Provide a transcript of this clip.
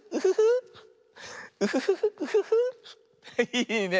いいね。